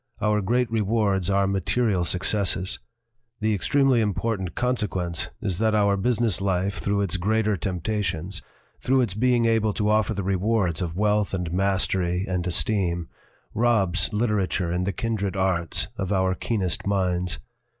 Our great rewards are material successes. The extremely important consequence is that our business life through its greater temptations through its being able to offer the rewards of wealth and mastery and esteem robs literature and the kindred arts of our keenest minds.